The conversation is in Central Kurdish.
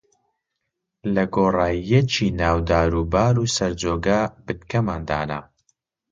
لە گۆڕایییەکی ناو دار و بار و سەر جۆگە، بنکەمان دانا